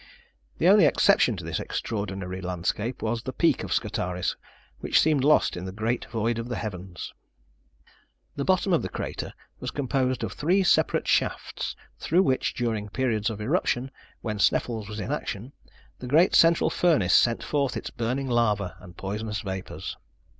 The only exception to this extraordinary landscape, was the Peak of Scartaris, which seemed lost in the great void of the heavens. The bottom of the crater was composed of three separate shafts, through which, during periods of eruption, when Sneffels was in action, the great central furnace sent forth its burning lava and poisonous vapors.